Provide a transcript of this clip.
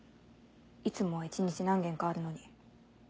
いつもは一日何件かあるのに。